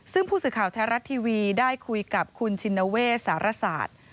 ซึ่งพูดสิทธิ์ข่าวแท้รัฐทีวีได้คุยกับคุณชินาเวสสารสาธ